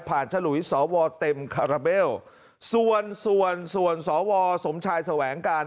ฉลุยสวเต็มคาราเบลส่วนส่วนสวสมชายแสวงการ